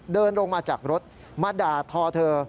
เดินลงมาจากรถมาด่าทอเธอ